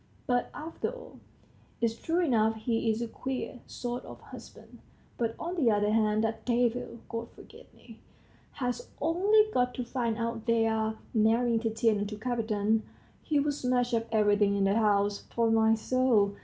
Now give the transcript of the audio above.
But, after all, it's true enough; he's a queer sort of husband. But on the other hand, that devil, God forgive me, has only got to find out they're marrying Tatiana to Kapiton, he'll smash up everything in the house, 'pon my soul!